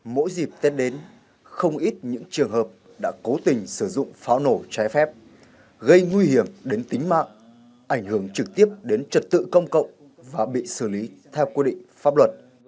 mỗi dịp tết đến không ít những trường hợp đã cố tình sử dụng pháo nổ trái phép gây nguy hiểm đến tính mạng ảnh hưởng trực tiếp đến trật tự công cộng và bị xử lý theo quy định pháp luật